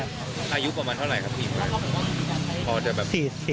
อายุประมาณเท่าไหร่ครับพี่